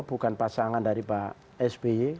bukan pasangan dari pak sby